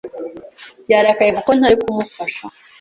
Yararakaye kuko ntari kumufasha.